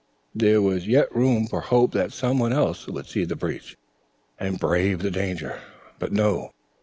There was yet room for hope that some one else would see the breach and brave the danger. But no.